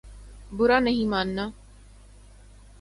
برا نہیں ماننا